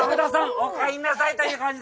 お帰りなさいという感じで。